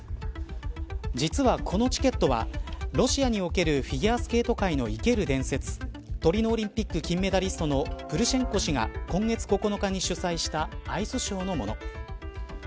実は、このチケットはロシアにおけるフィギュアスケート界の生ける伝説トリノオリンピック金メダリストのプルシェンコ氏が今月９日に主催したアイスショーのもの。